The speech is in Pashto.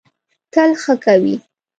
تل ښه کوی.